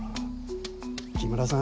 木村さん